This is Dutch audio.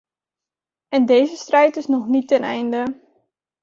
En deze strijd is nog niet ten einde.